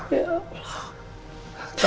tapi yang terpenting mama itu dia